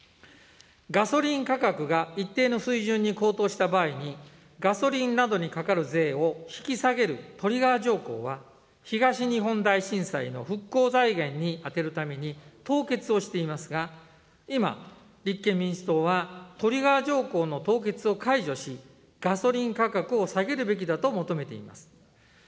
ガソリン価格が一定の水準に高騰した場合に、ガソリンなどにかかる税を引き下げるトリガー条項は、東日本大震災の復興財源に充てるために凍結をしていますが、今、立憲民主党は、トリガー条項の凍結を解除し、ガソリン価格を下げるべきだと求めています。